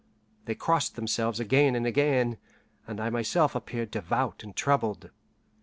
They crossed themselves again and again, and I myself appeared devout and troubled.